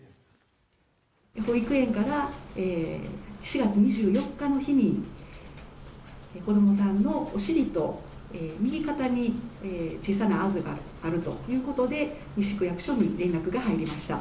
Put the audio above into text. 保育園から４月２４日の日に子どもさんのお尻と右肩に小さなあざがあるということで、西区役所に連絡が入りました。